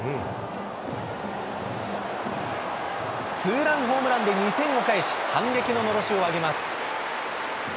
ツーランホームランで２点を返し、反撃ののろしを上げます。